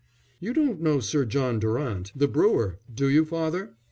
"You don't know Sir John Durant, the brewer, do you, father?"